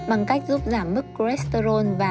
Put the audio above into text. bằng cách giúp giảm mức cholesterol và